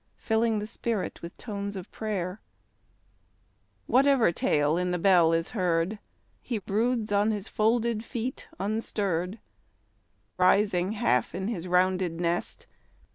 Filling the spirit with tones of prayer Whatever tale in the bell is heard, lie broods on his folded feet unstirr'd, Oi, rising half in his rounded nest.